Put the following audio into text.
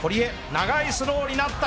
長いスローになった。